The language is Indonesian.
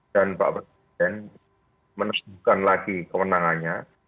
dan pak presiden menemukan lagi kemenangannya